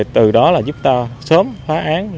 từ đó là dịch vụ